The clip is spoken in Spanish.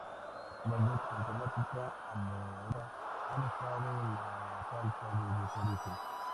Las letras con temática amorosa han estado en la salsa desde su origen.